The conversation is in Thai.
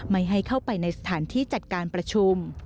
ไม่ให้เข้าไปในสถานที่จัดการประชุม